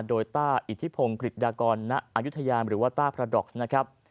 โดยต้าอิทธิพงศ์กฤษฎากรณอายุทยามหรือว่าต้าพระดอกซ์นะครับ